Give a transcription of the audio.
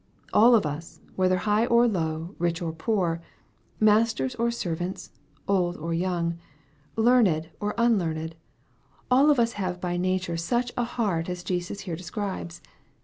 All of us, whether high or low, rich or poor, masters or servants, old or young, learned or un learned all of us have by nature such a heart as Jesus here describes.